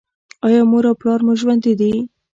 ایا مور او پلار مو ژوندي دي؟